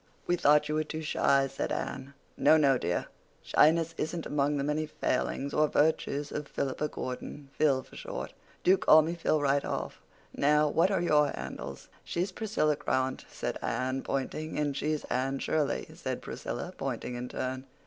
"We thought you were too shy," said Anne. "No, no, dear. Shyness isn't among the many failings—or virtues—of Philippa Gordon—Phil for short. Do call me Phil right off. Now, what are your handles?" "She's Priscilla Grant," said Anne, pointing. "And she's Anne Shirley," said Priscilla, pointing in turn.